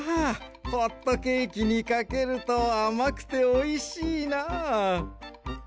ホットケーキにかけるとあまくておいしいなあ。